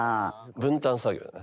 分担作業だね。